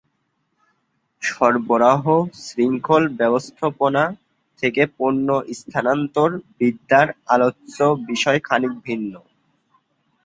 সরবরাহ শৃঙ্খল ব্যবস্থাপনা থেকে পণ্য স্থানান্তর বিদ্যার আলোচ্য বিষয় খানিক ভিন্ন।